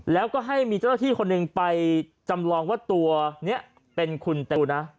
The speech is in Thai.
แล้วก็ให้มีเจ้าหน้าที่คนหนึ่งไปจำลองว่าตัวนี้เป็นคุณตูนะ